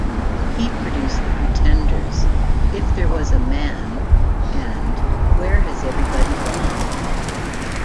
He produced the Pretenders' "If There Was a Man" and "Where Has Everybody Gone?